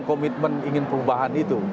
komitmen ingin perubahan itu